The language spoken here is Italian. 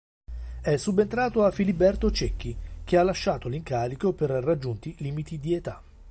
È subentrato a Filiberto Cecchi, che ha lasciato l'incarico per raggiunti limiti di età.